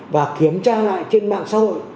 và kiểm tra lại trên mạng xã hội